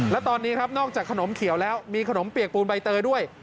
และตอนนี้ครับนอกจากขนมเขียวแล้วมีขนมเปียกปูนใบเตยด้วย